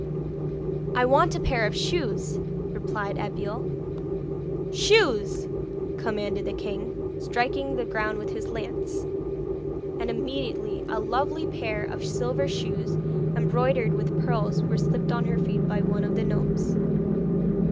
'I want a pair of shoes,' replied Abeille. 'Shoes!' commanded the king, striking the ground with his lance; and immediately a lovely pair of silver shoes embroidered with pearls were slipped on her feet by one of the gnomes.